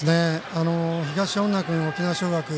東恩納君、沖縄尚学